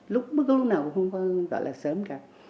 lúc nào cũng không gọi là sớm cả